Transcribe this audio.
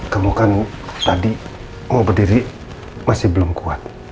kamu kan tadi mau berdiri masih belum kuat